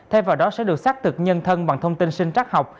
thay vào đó sẽ được xác thực nhân thân bằng thông tin sinh trắc học